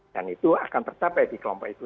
dan itu akan tertapai di kelompok itu